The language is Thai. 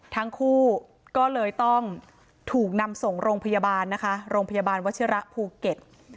ทั้งคู่ก็เลยต้องถูกนำส่งโรงพยาบาลนะคะโรงพยาบาลวัชิระภูเก็ต